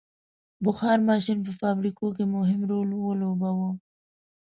• بخار ماشین په فابریکو کې مهم رول ولوباوه.